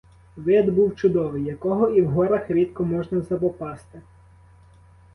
Вид був чудовий, якого і в горах рідко можна запопасти.